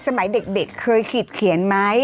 สมัยเด็กเคยขีดเขียนไหม